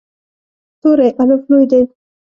توری “الف” لوی دی.